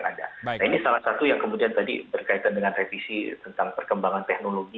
nah ini salah satu yang kemudian tadi berkaitan dengan revisi tentang perkembangan teknologi